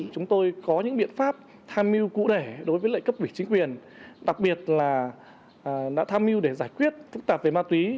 chúng tôi có những biện pháp tham mưu cụ thể đối với lại cấp ủy chính quyền đặc biệt là đã tham mưu để giải quyết phức tạp về ma túy